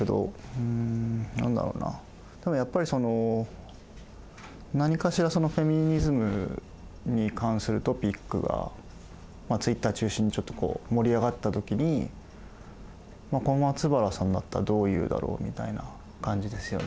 うん何だろうなただやっぱりその何かしらフェミニズムに関するトピックがＴｗｉｔｔｅｒ中心にちょっとこう盛り上がったときに小松原さんだったらどう言うだろう？みたいな感じですよね。